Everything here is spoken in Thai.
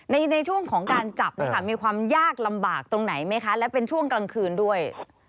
ในช่วงของการจับเนี่ยค่ะมีความยากลำบากตรงไหนไหมคะและเป็นช่วงกลางคืนด้วย